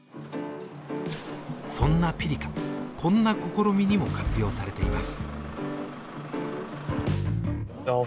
そんなピリカこんな試みにも活用されています。